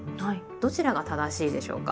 どちらが正しいでしょうか？